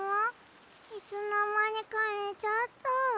いつのまにかねちゃった。